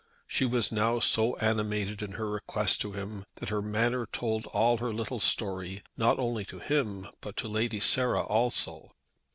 She was now so animated in her request to him, that her manner told all her little story, not only to him, but to Lady Sarah also.